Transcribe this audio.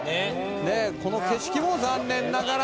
「この景色も残念ながら」